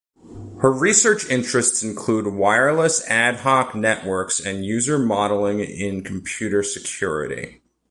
Her research interests include wireless ad hoc networks and user modeling in computer security.